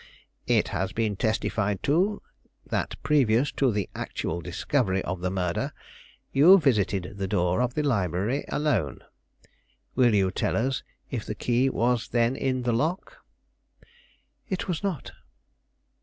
"It has been testified to, that previous to the actual discovery of the murder, you visited the door of the library alone. Will you tell us if the key was then in the lock?" "It was not."